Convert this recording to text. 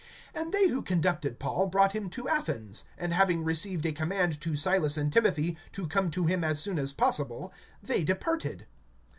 (15)And they who conducted Paul brought him to Athens; and having received a command to Silas and Timothy to come to him as soon as possible, they departed.